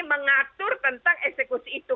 mengatur tentang eksekusi itu